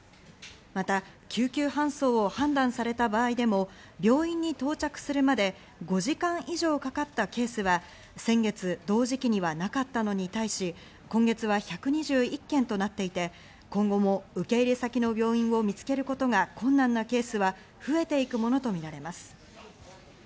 また救急搬送を判断された場合でも病院に到着するまで５時間以上かかったケースは先月同時期にはなかったのに対し、今月は１２１件となっていて、今後も受け入れ先の病院を見つけることが困難なケースは増えていくものとみられます。